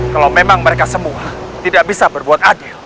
kalau memang mereka semua tidak bisa berbuat adil